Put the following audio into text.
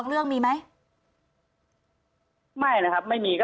คุณเอกวีสนิทกับเจ้าแม็กซ์แค่ไหนคะ